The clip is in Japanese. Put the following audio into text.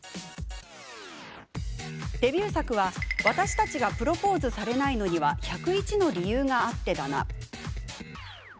デビュー作は「私たちがプロポーズされないのには、１０１の理由があってだな」。